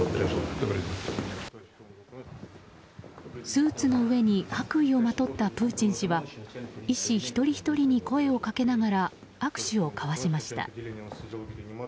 スーツの上に白衣をまとったプーチン氏は医師一人ひとりに声をかけながら握手を交わしました。